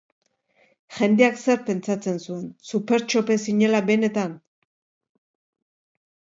Jendeak zer pentsatzen zuen, Supertxope zinela benetan?